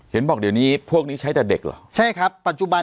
เห็นบอกเดี๋ยวนี้พวกนี้ใช้แต่เด็กเหรอใช่ครับปัจจุบัน